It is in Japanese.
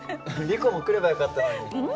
リコも来ればよかったのに。